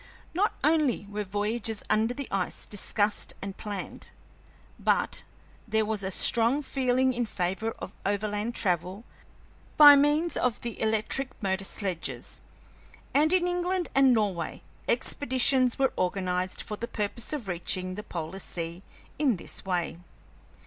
Not only were voyages under the ice discussed and planned, but there was a strong feeling in favor of overland travel by means of the electric motor sledges; and in England and Norway expeditions were organized for the purpose of reaching the polar sea in this way.